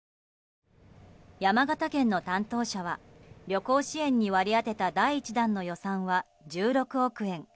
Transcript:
山形県の担当者は旅行支援に割り当てた第１弾の予算は１６億円。